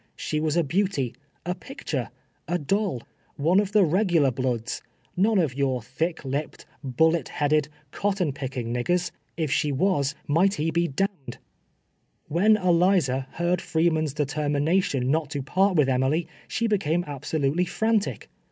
She was a beauty — a picture — a doll — one of the regular bloods — none of your thick lipped, bullet headed, cotton picking niggers — if she was might he be d— d. "WHien Eliza heard Freeman's determination not to part with Emily, she became absolutely frantic.